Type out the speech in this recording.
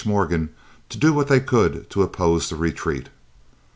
Morgan to do what they could to oppose the retreat.